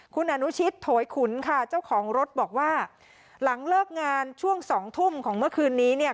คุณอนุชิตโถยขุนค่ะเจ้าของรถบอกว่าหลังเลิกงานช่วงสองทุ่มของเมื่อคืนนี้เนี่ย